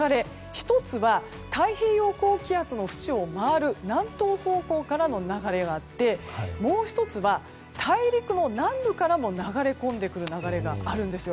１つは太平洋高気圧のふちを回る南東方向からの流れがあってもう１つは、大陸の南部からも流れ込んでくる流れがあるんです。